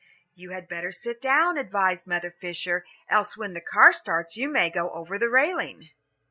"You had better sit down," advised Mother Fisher, "else when the car starts you may go over the railing."